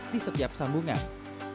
di setiap sambungan